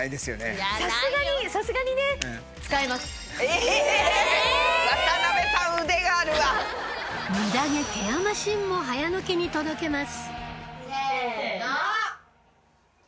ムダ毛ケアマシンも早野家に届けますせの！